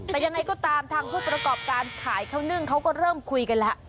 แต่ยังไงก็ตามทางผู้ประกอบการขายข้าวนึ่งเขาก็เริ่มคุยกันแล้ว